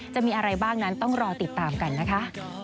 จะมีอะไรบ้างนั้นต้องรอติดตามกันนะคะ